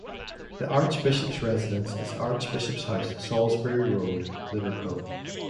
The Archbishop's residence is Archbishop's House, Salisbury Road, Liverpool.